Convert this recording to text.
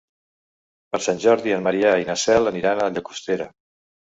Per Sant Jordi en Maria i na Cel aniran a Llagostera.